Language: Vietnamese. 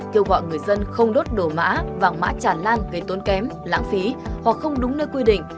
kêu gọi người dân không đốt đồ mã vàng mã tràn lan gây tốn kém lãng phí hoặc không đúng nơi quy định